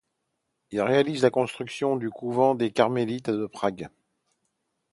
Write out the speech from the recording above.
Il réalise la construction du couvent des carmélites de Prague.